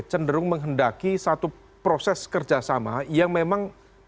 cenderung menghendaki satu proses kerjasama yang memang